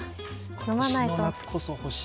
飲まないと。